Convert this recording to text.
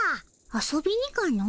遊びにかの？